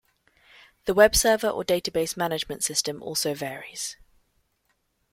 The web server or database management system also varies.